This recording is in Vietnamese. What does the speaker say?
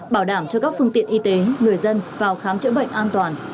bảo đảm cho các phương tiện y tế người dân vào khám chữa bệnh an toàn